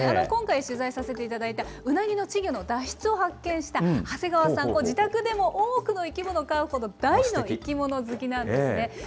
今回、取材させていただいた、ウナギの稚魚の脱出を発見した長谷川さん、自宅でも多くの生き物を飼うほど、大の生き物好きなんですね。